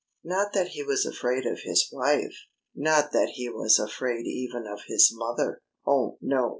Not that he was afraid of his wife! Not that he was afraid even of his mother! Oh, no!